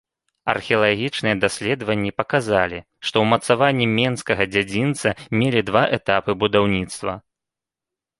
Археалагічныя даследаванні паказалі, што ўмацаванні менскага дзядзінца мелі два этапы будаўніцтва.